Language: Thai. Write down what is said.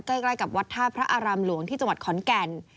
ใกล้กับวัดท่าพระอารามหลวงที่จังหวัดขอนแก่น